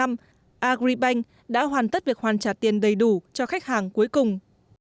agribank đã hoàn tất việc hoàn trả tiền đầy đủ cho khách hàng cuối cùng